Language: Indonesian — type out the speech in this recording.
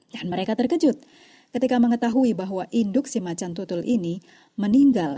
dan mereka terkejut ketika mengetahui bahwa induk si macan tutul ini meninggal